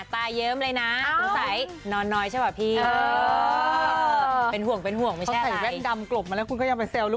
สนานทำร้อย